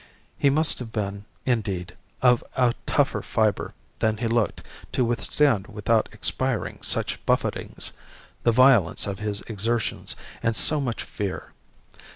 He must have been, indeed, of a tougher fibre than he looked to withstand without expiring such buffetings, the violence of his exertions, and so much fear.